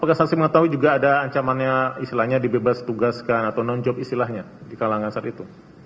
apakah saksi mengetahui juga ada ancamannya istilahnya dibebas tugaskan atau nonjok istilahnya di kalangan saat itu